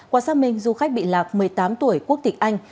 qua xác minh du khách bị lạc một mươi tám tuổi quốc tịch anh